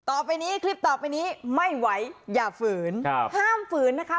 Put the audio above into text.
ต่อไปนี้คลิปต่อไปนี้ไม่ไหวอย่าฝืนห้ามฝืนนะคะ